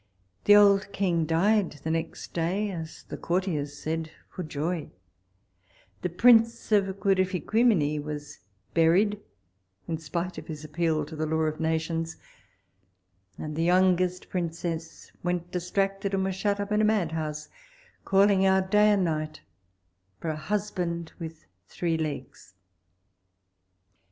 The old king died the next day, as the courtiers said, for joy; the prince of Quifferiquimini was buried in spite of his appeal to the law of nations; and the youngest princess went distracted, and was shut up in a madhouse, calling out day and night for a husband with three legs.